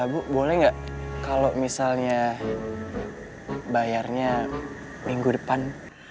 bu boleh gak kalo misalnya bayarnya minggu depan